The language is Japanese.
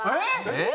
えっ！？